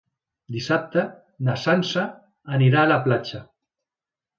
Dissabte na Sança anirà a la platja.